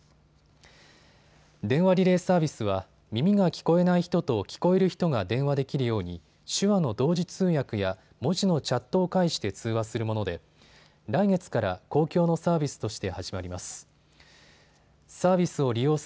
電話リレーサービスは耳が聞こえない人と聞こえる人が電話できるように手話の同時通訳や文字のチャットを介して通話するもので来月から公共のサービスとして始まります。